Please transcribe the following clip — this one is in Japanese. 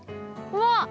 うわっ！